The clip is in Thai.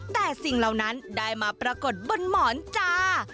แต่สิ่งเหล่านั้นได้มาปรากฏบนหมอนจ้า